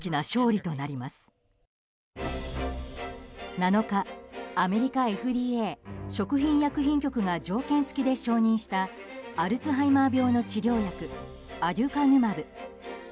７日、アメリカＦＤＡ・食品医薬品局が条件付きで承認したアルツハイマー病の治療薬アデュカヌマブ。